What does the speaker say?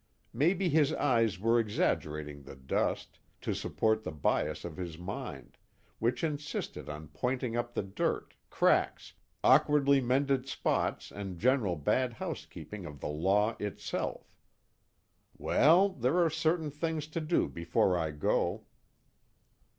Maybe his eyes were exaggerating the dust, to support the bias of his mind, which insisted on pointing up the dirt, cracks, awkwardly mended spots and general bad housekeeping of the law itself. _Well, there are certain things to do before I go.